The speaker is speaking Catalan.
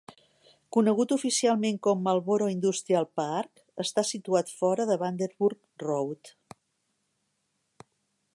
Conegut oficialment com Marlboro Industrial Park, està situat fora de Vanderburg Road.